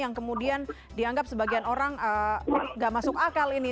yang kemudian dianggap sebagian orang tidak masuk akal ini